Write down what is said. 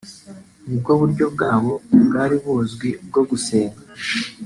nibwo buryo bwabo bwari buzwi bwo gusenga